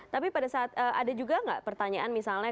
tapi pada saat ada juga nggak pertanyaan misalnya